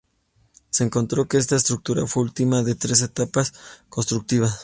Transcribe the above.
Se encontró que esta estructura fue la última de tres etapas constructivas.